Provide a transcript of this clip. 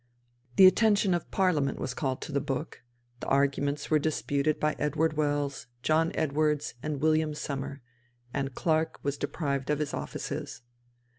The attention of Parliament was called to the book; the arguments were disputed by Edward Wells, John Edwards, and William Sommer; and Clarke was deprived of his offices.